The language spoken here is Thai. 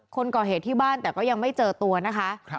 คนก่อเหตุที่บ้านแต่ก็ยังไม่เจอตัวนะคะ